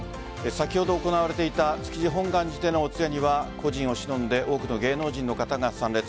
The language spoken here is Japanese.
先ほど行われていた築地本願寺でのお通夜には故人をしのんで多くの芸能人の方が参列。